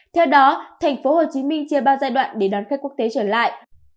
theo đó tp hcm chia ba giai đoạn để đón khách quốc tế trở lại